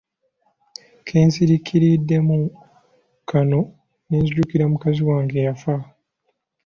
Ke nsiriikiriddemu kano ne nzijukira mukazi wange eyafa.